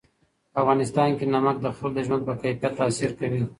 په افغانستان کې نمک د خلکو د ژوند په کیفیت تاثیر کوي.